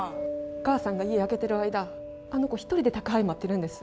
お母さんが家空けてる間あの子一人で宅配待ってるんです。